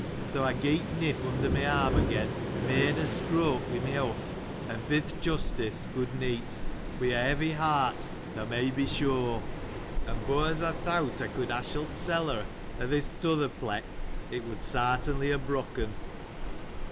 So, I got Nip under my arm again, made a stride with my foot, and bid th' Justice 607 good night, with a heavy heart, thou mayst be sure : and but, as I thought I could have sold her in this other place, it would certainly have broken.